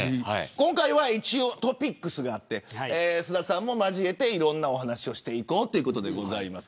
今回はトピックスがあって菅田さんも交えて、いろんな話をしていこうということです。